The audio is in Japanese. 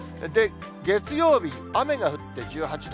月曜日、雨が降って１８度。